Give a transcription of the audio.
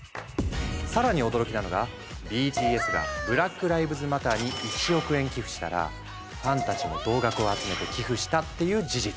更に驚きなのがＢＴＳが「ＢＬＡＣＫＬＩＶＥＳＭＡＴＴＥＲ」に１億円寄付したらファンたちも同額を集めて寄付したっていう事実。